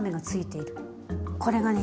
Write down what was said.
これがね